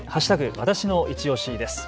わたしのいちオシです。